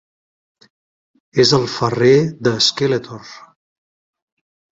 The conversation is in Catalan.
És el ferrer de Skeletor.